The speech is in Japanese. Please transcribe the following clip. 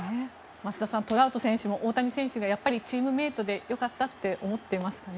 増田さん、トラウト選手も大谷選手がやっぱりチームメートでよかったって思ってますかね。